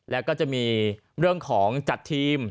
แล้วก็จะมีเรื่องของจัดทีม